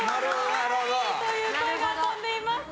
可愛いという声が飛んでいます。